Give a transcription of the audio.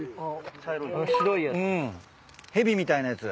蛇みたいなやつ。